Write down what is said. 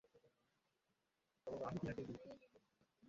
আমি টিনাকেই বিয়ে করবো।